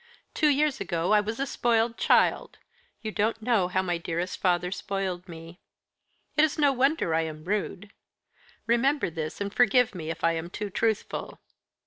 Two years ago I was a spoiled child. You don't know how my dearest father spoiled me. It is no wonder I am rude. Remember this, and forgive me if I am too truthful."